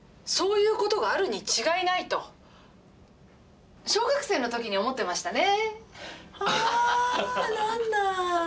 そういう事があるに違いないと小学生の時に思ってましたね。